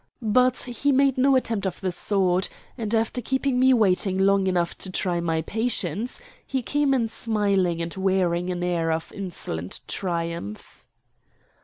But he made no attempt of the sort, and after keeping me waiting long enough to try my patience he came in smiling and wearing an air of insolent triumph.